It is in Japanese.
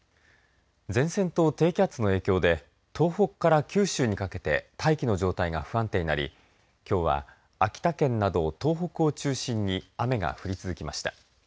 前線と低気圧の影響で東北から九州にかけて大気の状態が不安定になりきょうは秋田県など東北を中心に雨が降り続きました。